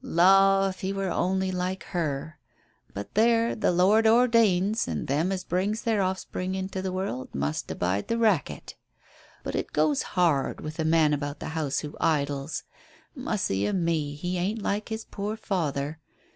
"La, if he were only like her. But there, the Lord ordains, and them as brings their offspring into the world must abide the racket. But it goes hard with a man about the house who idles. Mussy a me, he ain't like his poor father.